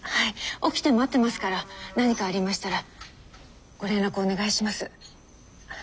起きて待ってますから何かありましたらご連絡お願いします。